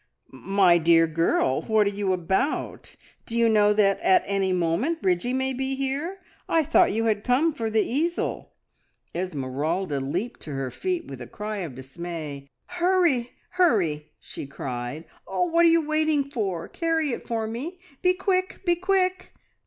"My dear girl, what are you about? Do you know that at any moment Bridgie may be here? I thought you had come for the easel." Esmeralda leaped to her feet with a cry of dismay. "Hurry! hurry!" she cried. "Oh, what are you waiting for? Carry it for me. Be quick! be quick!"